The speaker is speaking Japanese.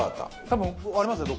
多分ありますよ